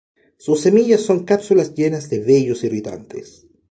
Sus semillas son cápsulas llenas de vellos irritantes.